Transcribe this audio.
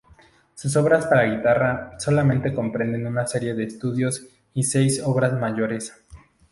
Sus obras para guitarra sola comprenden una serie de estudios y seis obras mayores.